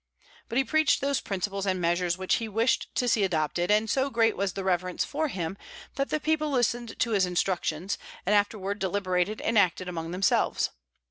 But he preached those principles and measures which he wished to see adopted; and so great was the reverence for him that the people listened to his instructions, and afterward deliberated and acted among themselves.